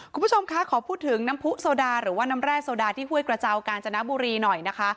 คุณผู้ชมคะขอพูดถึงน้ำผู้โซดาหรือว่าน้ำแร่โซดาที่ห้วยกระเจ้ากาญจนบุรีหน่อยนะคะ